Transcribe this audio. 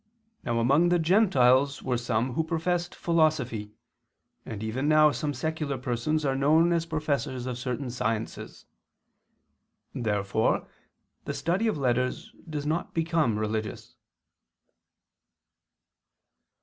Now among the Gentiles were some who professed philosophy, and even now some secular persons are known as professors of certain sciences. Therefore the study of letters does not become religious.